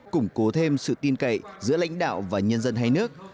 củng cố thêm sự tin cậy giữa lãnh đạo và nhân dân hai nước